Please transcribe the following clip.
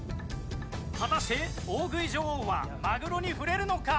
果たして大食い女王はまぐろにふれるのか？